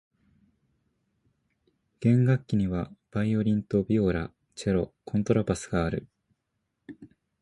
弦楽器にはバイオリンとビオラ、チェロ、コントラバスがある。